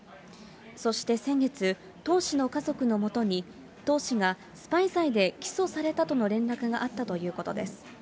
そして先月、董氏の家族のもとに、董氏がスパイ罪で起訴されたとの連絡があったということです。